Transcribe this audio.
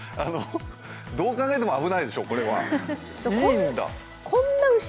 どう考えても危ないでしょいいんだ。